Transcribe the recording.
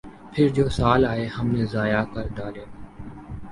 پھر جو سال آئے ہم نے ضائع کر ڈالے۔